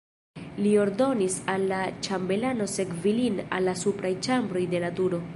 Li ordonis al la ĉambelano sekvi lin al la supraj ĉambroj de la turo.